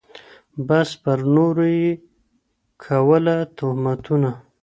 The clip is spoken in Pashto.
بس پر نورو یې کوله تهمتونه